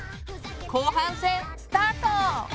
後半戦スタート！